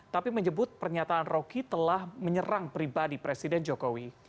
tapi menyebut pernyataan roky telah menyerang pribadi presiden jokowi